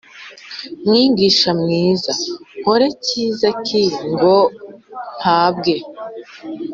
Mwigisha mwiza nkore cyiza ki ngo mpabwe